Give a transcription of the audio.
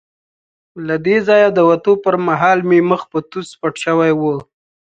له دې ځایه د وتو پر مهال مې مخ په توس پټ شوی وو.